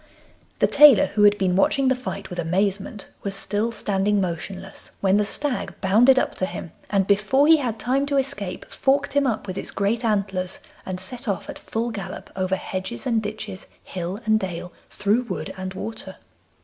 The tailor, who had been watching the fight with amazement, was still standing motionless when the stag bounded up to him, and before he had time to escape forked him up with its great antlers, and set off at full gallop over hedges and ditches, hill and dale, through wood and water.